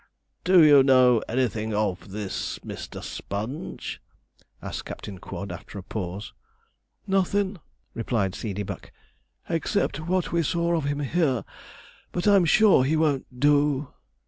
'Do you know anything of this Mr. Sponge?' asked Captain Quod, after a pause. 'Nothin',' replied Seedeybuck, 'except what we saw of him here; but I'm sure he won't do.'